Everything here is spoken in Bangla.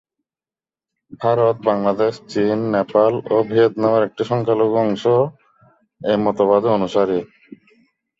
ভারত, বাংলাদেশ, চীন, নেপাল ও ভিয়েতনামের একটি সংখ্যালঘু অংশও এই মতবাদে অনুসারী।